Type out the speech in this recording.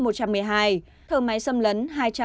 thở máy không xâm lấn hai trăm chín mươi hai